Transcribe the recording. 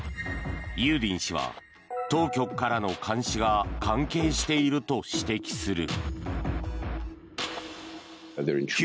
ユーディン氏は当局からの監視が関係していると指摘する。